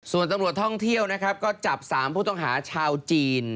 ส่วนตำรวจท่องเที่ยวนะครับก็จับ๓ผู้ต้องหาชาวจีน